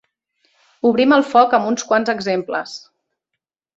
Obrim el foc amb uns quants exemples.